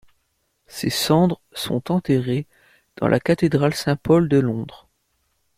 Ses cendres sont enterrés dans la cathédrale Saint-Paul de Londres.